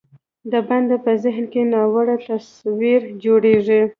د بنده په ذهن کې ناوړه تصویر جوړېږي.